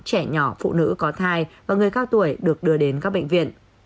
trẻ nhỏ phụ nữ có thai và người cao tuổi được đưa đến các bệnh viện